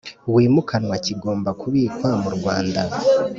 wimukanwa kigomba kubikwa mu Rwanda